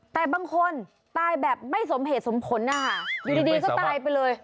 แต่บางคนตายแบบไม่สมเหตุสมผลนะคะอยู่ดีก็ตายไปเลย